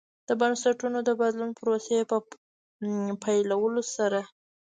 د بنسټونو د بدلون پروسې په پیلولو سره.